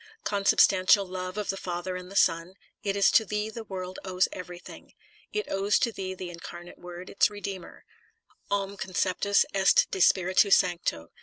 Consub stantial Love of the Father and the Son, it is 280 The Sign of the Cross to thee the world owes every thing. It owes to thee the Incarnate Word, its Redeemer: Qm conceptus est de Spiritu Sancto.